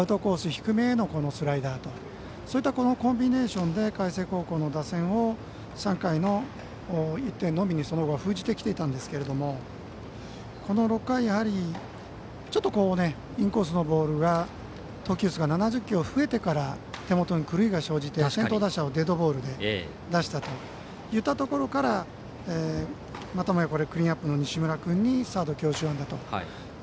低めへのスライダーそういったコンビネーションで海星高校の打線を３回の１点のみに封じてきていたんですがこの６回、ちょっとインコースのボールが投球数が７０球を超えてから手元の狂いが生じて先頭打者をデッドボールで出したといったところからまたもやクリーンナップの西村君のサード強襲安打と。